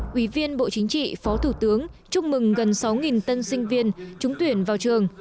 quý viên bộ chính trị phó thủ tướng chúc mừng gần sáu tân sinh viên trúng tuyển vào trường